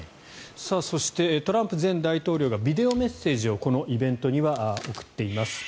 そしてトランプ前大統領がビデオメッセージをこのイベントには送っています。